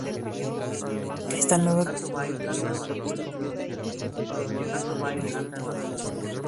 Esta nueva exposición se encuentra en la planta de arriba del museo.